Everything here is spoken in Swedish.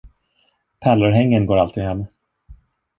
Pärlörhängen går alltid hem.